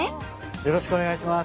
よろしくお願いします。